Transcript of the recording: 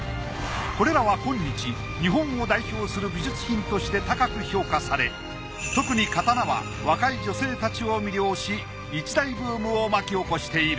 これらは今日日本を代表する美術品として高く評価され特に刀は若い女性たちを魅了し一大ブームを巻き起こしている。